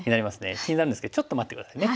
気になるんですけどちょっと待って下さいね。